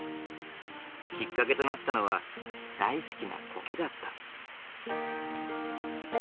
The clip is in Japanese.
きっかけとなったのは大好きなコケだった。